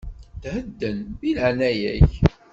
Thedden, deg leɛaya-k.